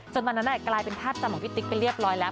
ตอนนั้นกลายเป็นภาพจำของพี่ติ๊กไปเรียบร้อยแล้ว